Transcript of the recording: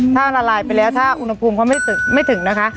ถ้าละลายไปแล้วถ้าอุณหภูมิเขาไม่ถึงนะคะ